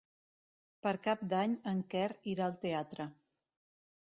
Per Cap d'Any en Quer irà al teatre.